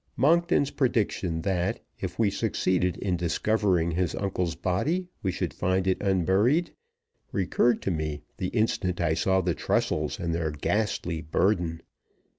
Monkton's prediction that, if we succeeded in discovering his uncle's body, we should find it unburied, recurred to me the instant I saw the trestles and their ghastly burden.